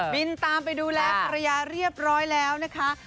บินตามไปดูแลภรรยาเรียบร้อยแล้วนะคะ